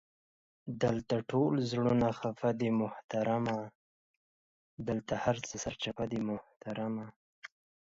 دالته ټول زړونه خفه دې محترمه، دالته هر څه سرچپه دي محترمه!